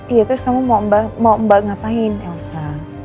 iya terus kamu mau mbak ngapain elsa